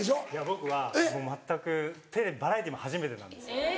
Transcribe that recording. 僕は全くテレビバラエティーも初めてなんです。